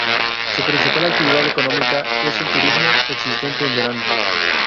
Su principal actividad económica es el turismo existente en verano.